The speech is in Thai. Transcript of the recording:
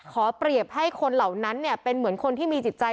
ขอเปรียบให้คนเหล่านั้นเป็นเหมือนคนที่มีจิตใจ